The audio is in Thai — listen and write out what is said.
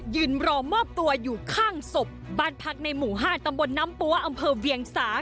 ยืนรอมอบตัวอยู่ข้างศพบ้านพักในหมู่๕ตำบลน้ำปั๊วอำเภอเวียงสา